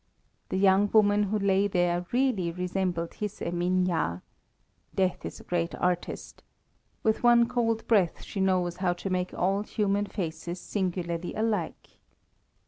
The young woman who lay there really resembled his Eminha. Death is a great artist. With one cold breath she knows how to make all human faces singularly alike.